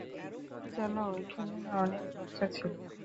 জানো, ঐখানে না অনেক বাচ্চা ছিল।